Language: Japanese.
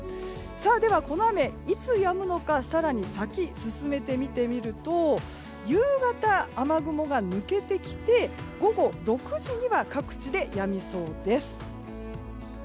では、この雨いつやむのか更に先に進めて見てみると夕方、雨雲が抜けてきて午後６時には各地でやみそうです。